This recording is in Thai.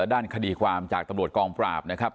ด้านคดีความจากตำรวจกองปราบนะครับ